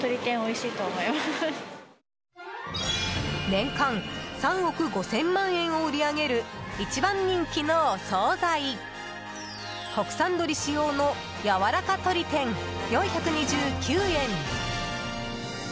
年間３億５０００万円を売り上げる、一番人気のお総菜国産鶏使用のやわらか鶏天４２９円。